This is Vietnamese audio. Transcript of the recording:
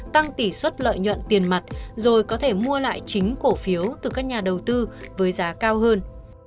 tăng tỷ suất lợi nhuận tiền mặt rồi có thể mua lại chính cổ phiếu từ các nhà đầu tư với giá cao hơn